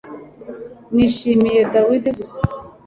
Nishimiye David gusa